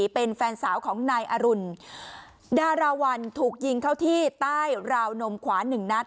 เป็นแฟนสาวของนายอรุณดาราวัลถูกยิงเข้าที่ใต้ราวนมขวาหนึ่งนัด